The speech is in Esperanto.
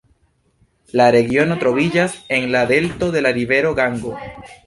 La regiono troviĝas en la delto de la rivero Gango.